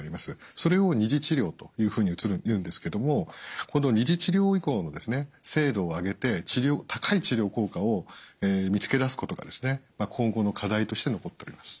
それを２次治療というふうに言うんですけどもこの２次治療以降の精度を上げて高い治療効果を見つけ出すことが今後の課題として残っております。